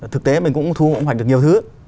thực tế mình cũng thu hoạch được nhiều thứ